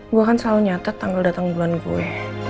gue kan selalu nyata tanggal datang bulan gue